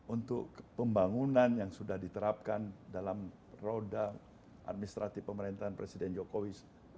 untuk pembangunan yang sudah diterapkan dalam roda administratif pemerintahan presiden jokowi